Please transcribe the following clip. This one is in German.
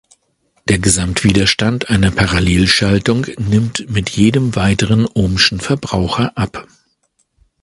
Der Gesamtwiderstand einer Parallelschaltung nimmt mit jedem weiteren ohmschen Verbraucher ab.